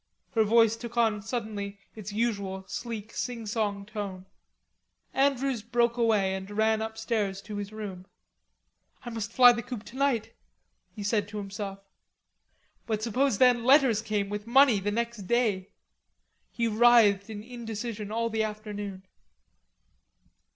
Her voice took on suddenly its usual sleek singsong tone. Andrews broke away and ran upstairs to his room. "I must fly the coop tonight," he said to himself. But suppose then letters came with money the next day. He writhed in indecision all the afternoon.